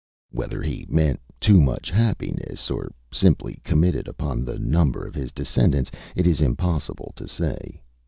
Â Whether he meant too much happiness, or simply commented upon the number of his descendants, it is impossible to say.